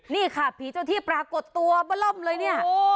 นี่ค่ะผีเจ้าที่ปรากฏตัวบล่อมเลยเนี่ย